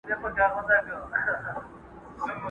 سترګي سرې غټه سینه ببر برېتونه؛